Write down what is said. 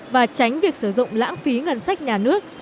và tránh việc sử dụng lãng phí ngân sách nhà nước